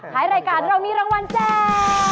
ท้ายรายการเรามีรางวัลแจก